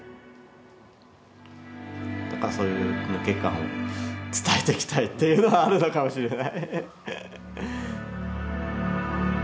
だからそういう抜け感を伝えていきたいっていうのはあるのかもしれない。